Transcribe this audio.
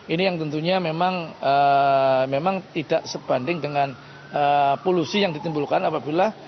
ini yang tentunya memang tidak sebanding dengan polusi yang ditimbulkan apabila